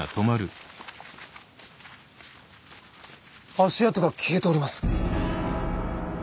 足跡が消えております。